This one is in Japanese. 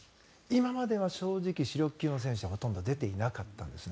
今までは正直、主力級の選手はほとんど出ていなかったんです。